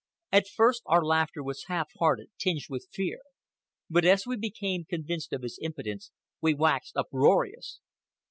At first our laughter was half hearted, tinged with fear, but as we became convinced of his impotence we waxed uproarious.